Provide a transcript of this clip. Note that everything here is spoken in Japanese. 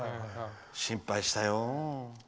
心配したよ。